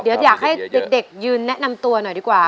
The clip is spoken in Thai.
เดี๋ยวอยากให้เด็กยืนแนะนำตัวหน่อยดีกว่า